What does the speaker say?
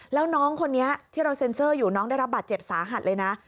แล้วน้องคนนี้ที่เราเซ็นเซอร์อยู่น้องได้รับบาดเจ็บสาหัสเลยนะ